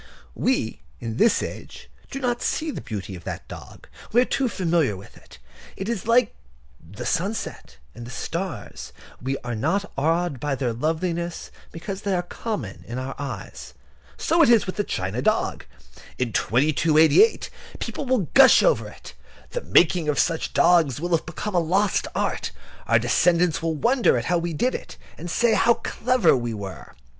We, in this age, do not see the beauty of that dog. We are too familiar with it. It is like the sunset and the stars: we are not awed by their loveliness because they are common to our eyes. So it is with that china dog. In 2288 people will gush over it. The making of such dogs will have become a lost art. Our descendants will wonder how we did it, and say how clever we were.